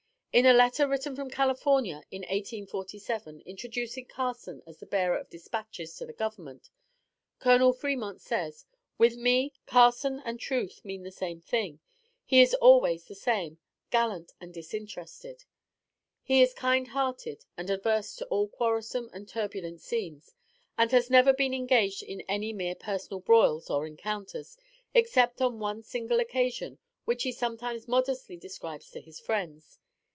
In a letter written from California, in 1847, introducing Carson as the bearer of dispatches to the government, Col. Fremont says: 'with me, Carson and truth mean the same thing. He is always the same gallant and disinterested.' He is kind hearted, and averse to all quarrelsome and turbulent scenes, and has never been engaged in any mere personal broils or encounters, except on one single occasion, which he sometimes modestly describes to his friends.